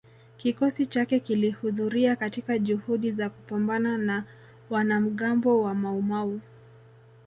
kikosi chake kilihudhuria katika juhudi za kupambana na wanamgambo wa Maumau